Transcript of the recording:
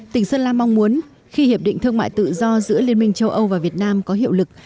tỉnh sơn la mong muốn khi hiệp định thương mại tự do giữa liên minh châu âu và việt nam có hiệu lực